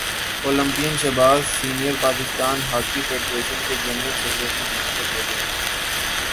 Olympian Shahbaz senior Pakistan hockey federation کے general secretary منتخب ہو گئے